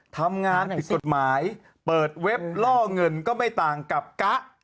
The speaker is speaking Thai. ทำงานผิดกฎหมายเปิดเว็บล่อเงินก็ไม่ต่างกับกะ